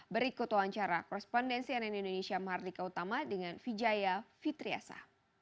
berikut wawancara korespondensi ann indonesia mardika utama dengan vijaya fitriasa